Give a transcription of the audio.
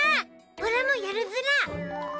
オラもやるズラ。